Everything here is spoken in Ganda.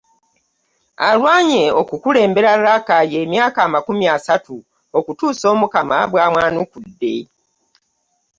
Alwanye okukulembera Rakai emyaka amakumi asatu okutuusa Omukama bw’amwanukudde.